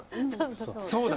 そうだ。